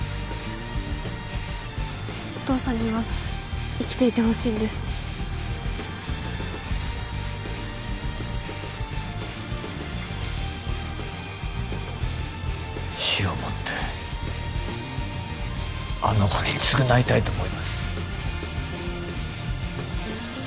お父さんには生きていてほしいんです死をもってあの子に償いたいと思います